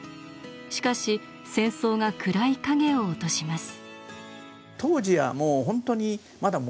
しかし戦争が暗い影を落とします。